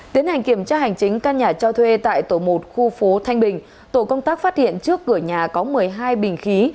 tiến hành kiểm tra hành chính căn nhà cho thuê tại tổ một khu phố thanh bình tổ công tác phát hiện trước cửa nhà có một mươi hai bình khí